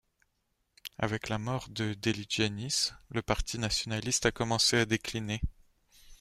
Avec la mort de Deligiannis, le parti nationaliste a commencé à décliner.